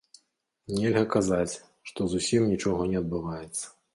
Нельга казаць, што зусім нічога не адбываецца.